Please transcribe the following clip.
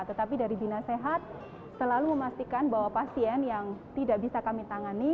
tetapi dari bina sehat selalu memastikan bahwa pasien yang tidak bisa kami tangani